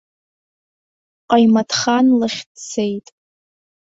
Ҟаимаҭхан лахь дцеит.